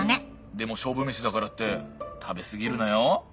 でも勝負メシだからって食べ過ぎるなよ。